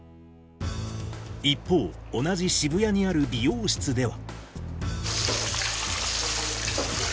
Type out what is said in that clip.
一方、同じ渋谷にある美容室では。